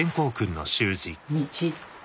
「道」。